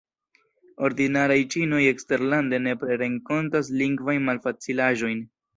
Ordinaraj ĉinoj eksterlande nepre renkontas lingvajn malfacilaĵojn.